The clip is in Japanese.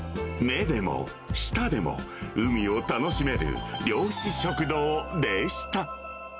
目でも、舌でも、海を楽しめる漁師食堂でした。